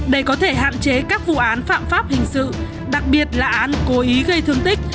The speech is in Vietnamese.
để có thể hạn chế các vụ án phạm pháp hình sự đặc biệt là án cố ý gây thương tích